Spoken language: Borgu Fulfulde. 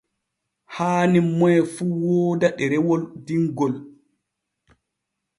Haani moy fu wooda ɗerewol dingol.